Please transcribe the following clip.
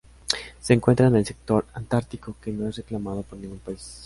Se encuentra en el sector antártico que no es reclamado por ningún país.